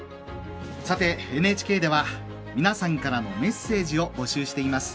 ＮＨＫでは、皆さんからのメッセージを募集しています。